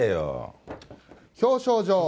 表彰状。